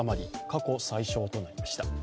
過去最少となりました。